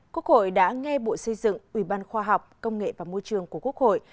quốc hội đã nghe bộ xây dựng ủy ban khoa học công nghệ và môi trường của quốc hội